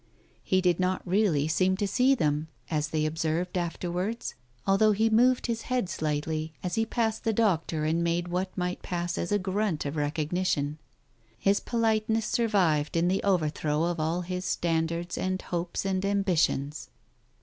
He did not really seem to see them, as they observed afterwards, although he moved his head slightly as he passed the doctor and made what might pass as a grunt of recognition. His politeness survived in the overthrow of all his standards and hopes and ambitions.